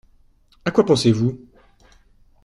À quoi pensez-vous ?